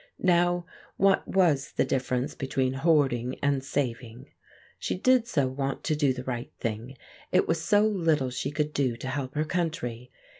Now what was the difference between hoarding and saving? She did so want to do the right thing; it was so little she could do to help her country.